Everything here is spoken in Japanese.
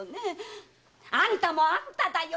あんたもあんただよ！